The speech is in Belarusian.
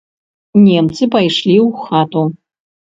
Немцы пайшлі ў хату.